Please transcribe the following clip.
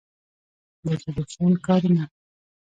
د ټیلیفون کارونه